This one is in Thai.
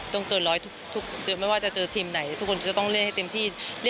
เกินร้อยทุกไม่ว่าจะเจอทีมไหนทุกคนจะต้องเล่นให้เต็มที่